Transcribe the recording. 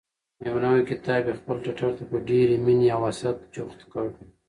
یو نوی کتاب یې خپل ټټر ته په ډېرې مینې او حسرت جوخت کړ.